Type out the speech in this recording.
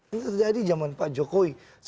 ini terjadi jaman pak jokowi